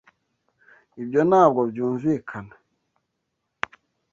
Ibyo ntabwo byumvikana.